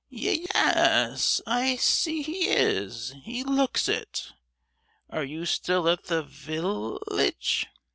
"Ye—yes, I see he is—he looks it! And are you still at the vill—age?